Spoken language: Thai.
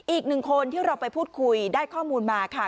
อีกหนึ่งคนที่เราไปพูดคุยได้ข้อมูลมาค่ะ